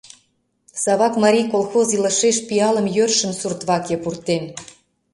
Савак марий колхоз илышеш пиалым йӧршын сурт ваке пуртен.